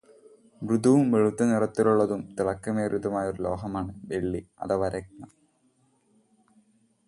മൃദുവും, വെളുത്ത നിറത്തിലുള്ളതും, തിളക്കമേറിയതുമായ ഒരു ലോഹമാണ് വെള്ളി അഥവാ രജതം